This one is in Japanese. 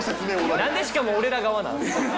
なんでしかも俺ら側なん？